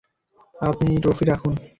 আপনি এই ট্রফি রাখুন!